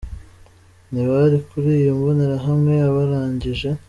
ntibari kuri iyo mbonerahamwe abarangije.